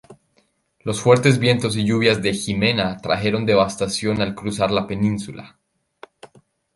Los fuertes vientos y lluvias de Jimena trajeron devastación al cruzar la península.